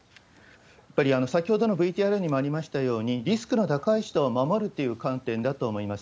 やっぱり先ほどのＶＴＲにもありましたように、リスクの高い人を守るっていう観点だと思います。